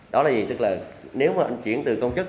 đó là gì tức là nếu mà anh chuyển từ công chức